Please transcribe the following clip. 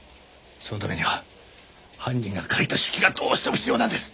そのためには犯人が書いた手記がどうしても必要なんです。